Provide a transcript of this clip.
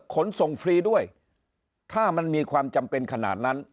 ขนส่งฟรีด้วยถ้ามันมีความจำเป็นขนาดนั้น